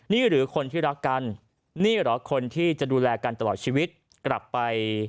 นี่หรือคนที่รักกันนี่เหรอคนที่จะดูแลกันตลอดชีวิตกลับไป